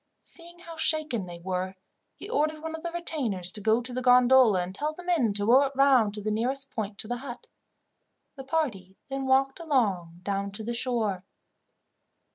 Seeing how shaken they were, he ordered one of the retainers to go to the gondola, and tell the men to row it round to the nearest point to the hut. The party then walked along down to the shore.